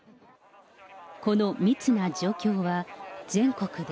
この密な状況は全国で。